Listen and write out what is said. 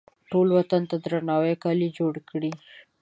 ټول وطن ته د روڼاوو کالي جوړکړي